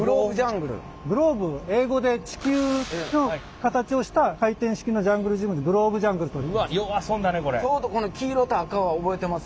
グローブ英語で地球の形をした回転式のジャングルジムでグローブジャングルといいます。